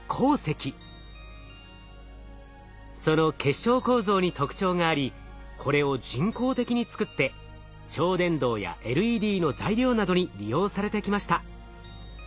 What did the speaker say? その結晶構造に特徴がありこれを人工的に作って超電導やＬＥＤの材料などに利用されてきました。